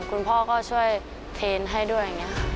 คุณพ่อก็ช่วยเทนให้ด้วย